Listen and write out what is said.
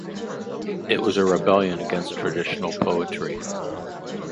It was a rebellion against traditional poetry.